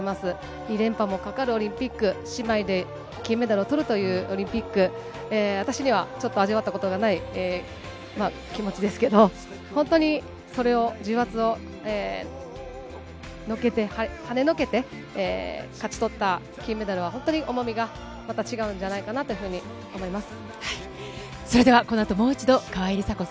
２連覇もかかるオリンピック、姉妹で金メダルをとるというオリンピック、私にはちょっと味わったことがない気持ちですけれども、本当にそれを、重圧をのけて、はねのけて勝ち取った金メダルは本当に、さあ、ここまで吉田沙保里さんと共にお伝えしました。